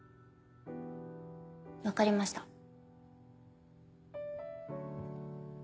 分かりました。